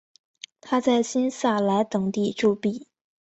他在新萨莱等地铸币。